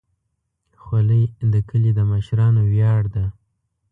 خولۍ د کلي د مشرانو ویاړ ده.